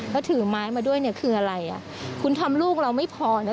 แล้วถือไม้มาด้วยเนี่ยคืออะไรอ่ะคุณทำลูกเราไม่พอนะ